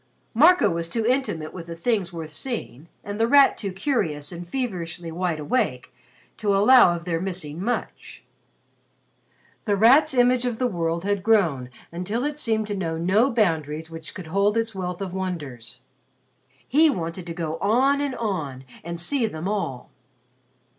Marco was too intimate with the things worth seeing, and The Rat too curious and feverishly wide awake to allow of their missing much. The Rat's image of the world had grown until it seemed to know no boundaries which could hold its wealth of wonders. He wanted to go on and on and see them all.